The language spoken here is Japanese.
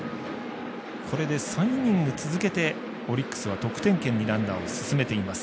これで３イニング続けてオリックスは得点圏にランナーを進めています。